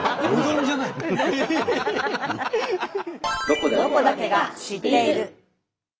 「ロコだけが知っている」。